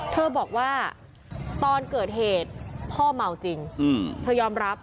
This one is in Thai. เธอบอกว่าตอนเกิดเหตุพ่อเมาจริงเธอยอมรับ